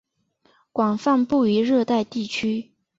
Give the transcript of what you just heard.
广泛布于热带地区。